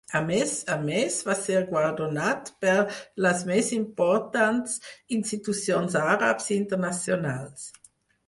A més a més, va ser guardonat per les més importants institucions àrabs i internacionals.